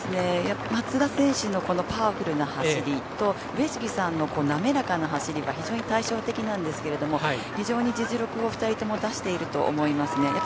松田選手のこのパワフルな走りと上杉さんの滑らかな走りが非常に対照的なんですけど非常に実力を２人とも出していると思いますね。